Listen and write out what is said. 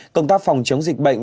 công tác phòng chống dịch bệnh